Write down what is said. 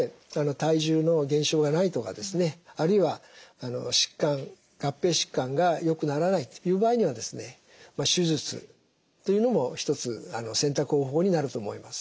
体重の減少がないとかですねあるいは疾患合併疾患がよくならないという場合にはですね手術というのも一つ選択方法になると思います。